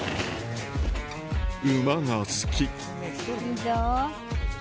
馬が好き。